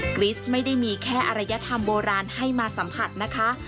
กริสไม่ได้มีแค่อรยธรรมโบราณให้มาสัมผัสนะคะ